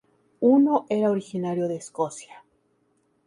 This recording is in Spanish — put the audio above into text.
Uno era originario de Escocia.